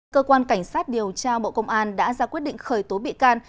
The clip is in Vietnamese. cơ quan cảnh sát điều tra bộ công an đã ra quyết định khởi tố bị can